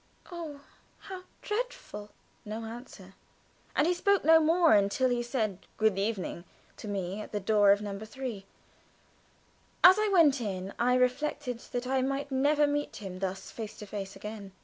"Oh, how dreadful!" No answer. And we spoke no more until he said "Good evening" to me at the door of No. 3. As I went in I reflected that I might never meet him thus face to face again.